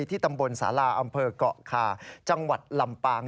ที่ตำบลสาลาอำเภอกเกาะคาจังหวัดลำปาง